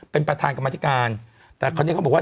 เป็นประธานกรรมธิการแต่คราวนี้เขาบอกว่า